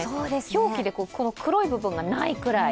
表記で黒い部分がないぐらい。